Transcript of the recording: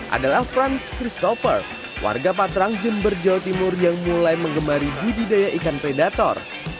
adalah frans christopher warga patrang jember jawa timur yang mulai mengemari budidaya ikan predator